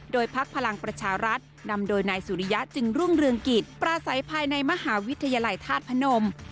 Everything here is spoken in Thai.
โดยพักพลังประชารัฐนำโดยนายสุริยะจึงรุ่งเรืองกิจปราศัยภายในมหาวิทยาลัยธาตุพนม